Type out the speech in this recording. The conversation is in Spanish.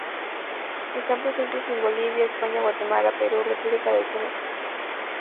Están presentes en Bolivia, España, Guatemala, Perú, República del Congo y Zambia.